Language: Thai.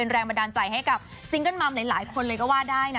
แรงบันดาลใจให้กับซิงเกิ้ลมัมหลายคนเลยก็ว่าได้นะ